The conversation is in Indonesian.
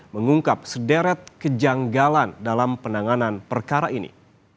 mengungkap sederet kejanggalan dalam penanganan perkara ini